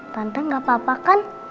pantai gak apa apa kan